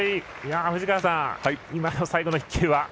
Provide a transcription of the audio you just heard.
藤川さん、今の最後の１球は？